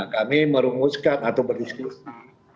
kami merunguskan atau berdiskusi